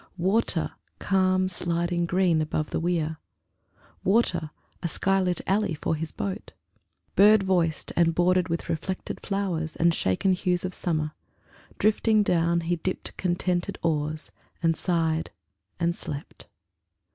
Water calm, sliding green above the weir; Water a sky lit alley for his boat, Bird voiced, and bordered with reflected flowers And shaken hues of summer: drifting down, He dipped contented oars, and sighed, and slept.